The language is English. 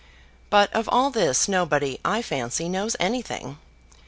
But of all this, nobody, I fancy, knows anything.